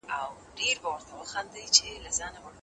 ورته کاوه چا اتڼونه